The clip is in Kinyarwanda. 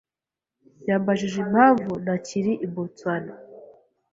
yambajije impamvu ntakiri i Boston.